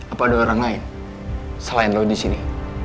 apa ada orang lain selain lo disini